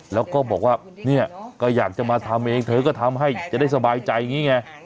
แล้วก็บอกว่าเนี่ยก็อยากจะมาทำเองเธอก็ทำให้จะได้สบายใจอย่างนี้ไง